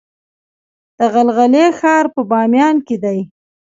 د غلغلې ښار په بامیان کې دی